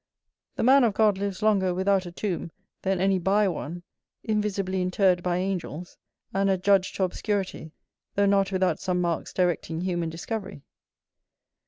The man of God lives longer without a tomb than any by one, invisibly interred by angels, and adjudged to obscurity, though not without some marks directing human discovery.